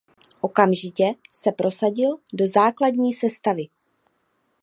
Okamžitě se prosadil do základní sestavy.